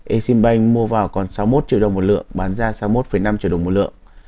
exim bank mua vào còn sáu mươi một triệu đồng một lượng bán ra sáu mươi một năm triệu đồng một lượng